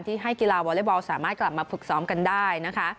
ให้กีฬาวอเล็กบอลสามารถกลับมาฝึกซ้อมกันได้นะคะ